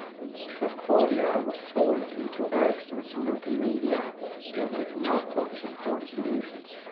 Telcordia was folded into Ericsson's multimedia unit, now called Support Solutions.